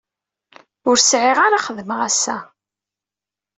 Ur sɛiɣ ara xedmeɣ assa.